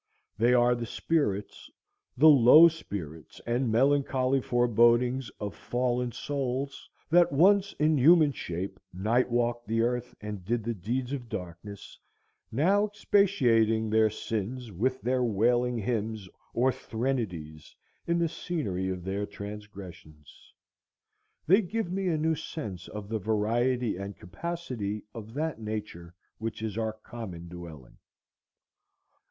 They are the spirits, the low spirits and melancholy forebodings, of fallen souls that once in human shape night walked the earth and did the deeds of darkness, now expiating their sins with their wailing hymns or threnodies in the scenery of their transgressions. They give me a new sense of the variety and capacity of that nature which is our common dwelling.